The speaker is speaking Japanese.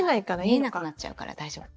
見えなくなっちゃうから大丈夫。